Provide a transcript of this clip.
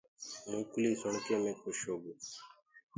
موڪلي سُڻ ڪي مينٚ کوش هوگو۔